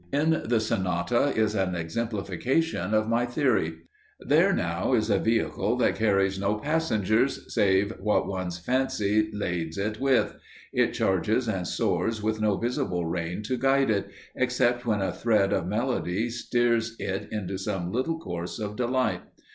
In the Sonata is an exemplification of my theory. There, now, is a vehicle that carries no passengers, save what one's fancy lades it with it charges and soars with no visible rein to guide it, except when a thread of melody steers it into some little course of delight.